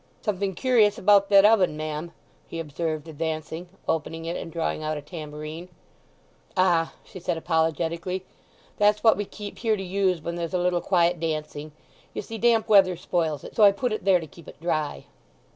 "Something curious about that oven, ma'am!" he observed advancing, opening it, and drawing out a tambourine. "Ah," she said apologetically, "that's what we keep here to use when there's a little quiet dancing. You see damp weather spoils it, so I put it there to keep it dry."